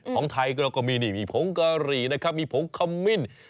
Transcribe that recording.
ของไทยก็เราก็มีนี่มีผงกะหรี่นะครับมีผงคำมิ้น